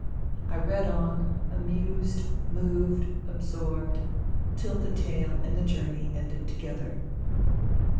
I read on, amused, moved, absorbed, till the tale and the journey ended together.